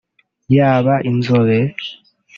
yaba inzobe